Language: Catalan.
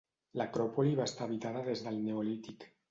L'Acròpoli va estar habitada des del neolític.